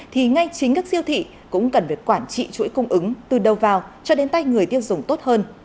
thì ngay chính các siêu thị cũng cần phải quản trị chuỗi cung ứng từ đầu vào cho đến tay người tiêu dùng tốt hơn